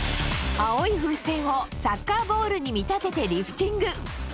青い風船をサッカーボールに見立ててリフティング。